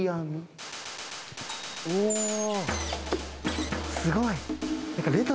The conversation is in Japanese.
おぉすごい！